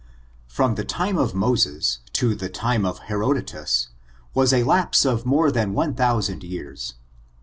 From the time of Moses to the time of Herodotus, was a lapse of more than one thousand years.